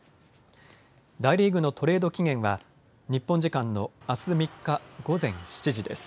大リーグのトレード期限は日本時間のあす３日午前７時です。